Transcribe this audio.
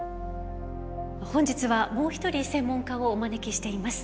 本日はもう一人専門家をお招きしています。